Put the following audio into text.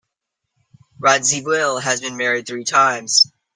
Radziwill has been married three times.